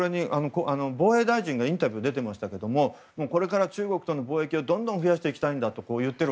防衛大臣がインタビューに出ていましたがこれから中国との貿易をどんどん増やしていきたいんだと。